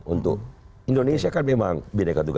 untuk indonesia kan memang